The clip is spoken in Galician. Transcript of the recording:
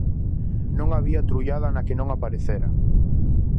Non había trullada na que non aparecera.